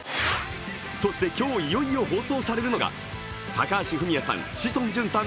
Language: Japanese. そして今日いよいよ放送されるのが高橋文哉さん、志尊淳さん